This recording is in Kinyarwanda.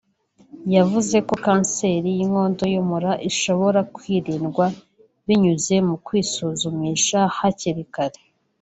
yavuze ko kanseri y’inkondo y’umura ishobora kwirindwa binyuze mu kwisuzumisha hakiri kare